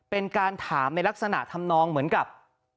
เป็นการถามในลักษณะทำนองเหมือนกับ